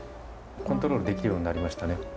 コントロールできるようになりましたね。